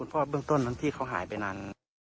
ครับคุณพ่อเบื้องต้นที่เขาหายไปนาน